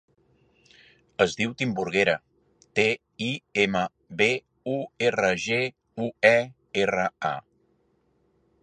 Es diu Timburguera: te, i, ema, be, u, erra, ge, u, e, erra, a.